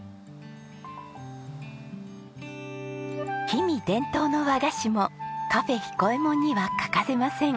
氷見伝統の和菓子もカフェ彦右衛門には欠かせません。